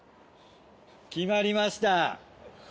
決まりました。